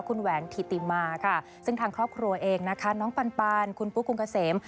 คุณแหวนธิติมาค่ะซึ่งทางครอบครัวเองนะคะน้องปันคุณปุ๊กคุณเกษม